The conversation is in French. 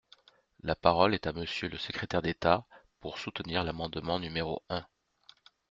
La parole est à Monsieur le secrétaire d’État, pour soutenir l’amendement numéro un.